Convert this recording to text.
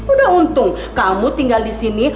udah untung kamu tinggal di sini